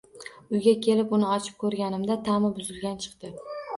Uyga kelib uni ochib ko‘rganimda ta’mi buzilgan chiqdi.